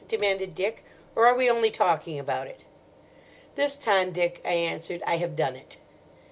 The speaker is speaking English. demanded Dick, "or are we only talking about it?" "This time, Dick," I answered, "I have done it."